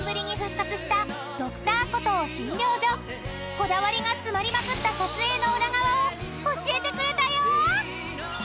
［こだわりが詰まりまくった撮影の裏側を教えてくれたよ］